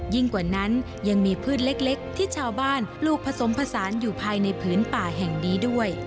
กว่านั้นยังมีพืชเล็กที่ชาวบ้านปลูกผสมผสานอยู่ภายในผืนป่าแห่งนี้ด้วย